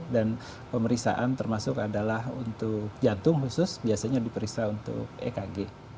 dan pemeriksaan termasuk adalah untuk jantung khusus biasanya diperiksa untuk ekg